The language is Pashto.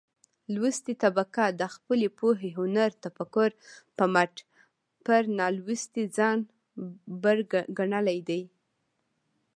لوستې طبقه د خپلې پوهې، هنر ،تفکر په مټ پر نالوستې ځان بر ګنلى دى.